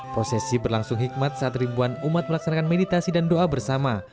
prosesi berlangsung hikmat saat ribuan umat melaksanakan meditasi dan doa bersama